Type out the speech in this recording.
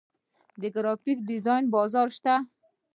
د ګرافیک ډیزاین بازار شته